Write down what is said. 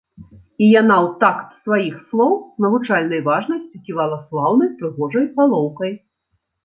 І яна ў такт сваіх слоў з навучальнай важнасцю ківала слаўнай прыгожай галоўкай.